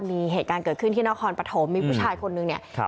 มีเหตุการณ์เกิดขึ้นที่นครปฐมมีผู้ชายคนนึงเนี่ย